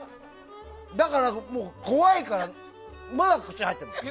だから、もう怖いからまだ口に入ってる。